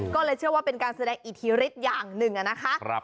ก็เลยเชื่อว่าเป็นการแสดงอิทธิฤทธิ์อย่างหนึ่งนะคะ